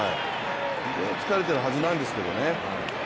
疲れているはずなんですけどね。